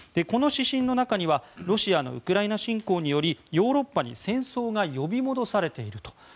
この指針の中にはロシアのウクライナ侵攻によりヨーロッパに戦争が呼び戻されていると。